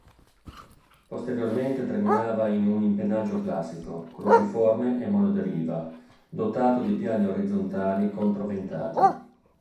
Posteriormente terminava in un impennaggio classico, cruciforme e monoderiva, dotato di piani orizzontali controventati.